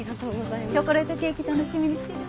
チョコレートケーキ楽しみにしてる。